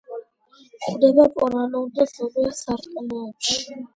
გვხვდება პოლარულ და ზომიერ სარტყლებში.